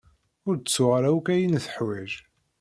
Ur d-tuɣ ara akk ayen i teḥwaj.